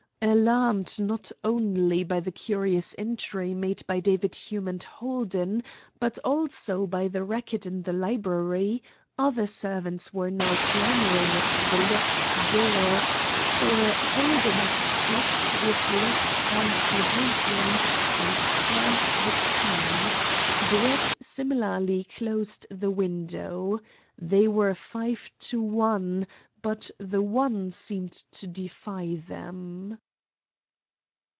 Alarmed not only by the curious entry made by David Hume and Holden, but also by the racket in the library, other servants were now clamouring at the locked door, for Holden had slipped his left hand behind him and turned the key. Brett similarly closed the window. They were five to one, but the one seemed to defy them.